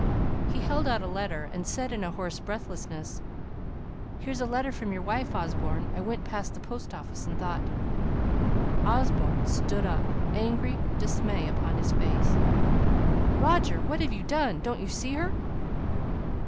He held out a letter, and said in hoarse breathlessness "Here's a letter from your wife, Osborne. I went past the post office and thought " Osborne stood up, angry dismay upon his face: "Roger! what have you done! Don't you see her?"